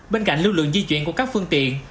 bên cạnh lưu lượng di chuyển của các phương tiện